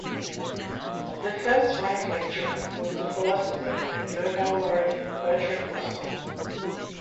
The first Reith lecturer was the philosopher and Nobel laureate, Bertrand Russell.